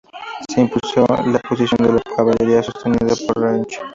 Se impuso la posición de la caballería, sostenida por Rauch.